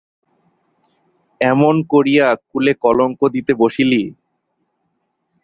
এমন করিয়া কুলে কলঙ্ক দিতে বসিলি!